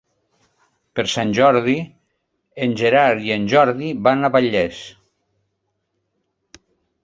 Per Sant Jordi en Gerard i en Jordi van a Vallés.